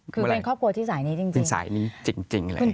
คือเป็นครอบครัวที่สายนี้จริงสายนี้จริงเลย